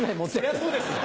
そりゃそうですよ